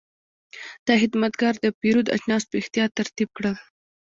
دا خدمتګر د پیرود اجناس په احتیاط ترتیب کړل.